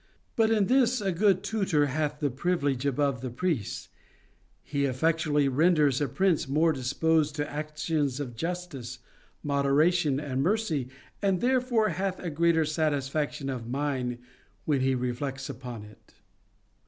But in this a good tutor hath the privilege above the priests, — he effectually renders a prince more disposed to actions of justice, moderation, and mercy, and therefore hath a greater satisfaction of mind when he re flects upon it.